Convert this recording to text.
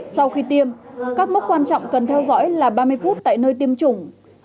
sau khi tiêm các mốc quan trọng cần theo dõi là ba mươi phút tại nơi tiêm chủng